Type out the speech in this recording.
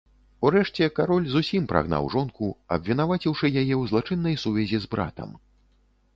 Урэшце, кароль зусім прагнаў жонку, абвінаваціўшы яе ў злачыннай сувязі з братам.